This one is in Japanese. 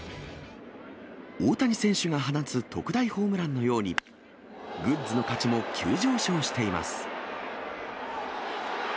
大谷選手が放つ特大ホームランのように、グッズの価値も急上昇しています。